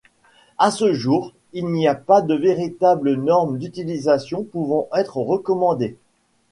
À ce jour, il n’y a pas de véritable norme d'utilisation pouvant être recommandée.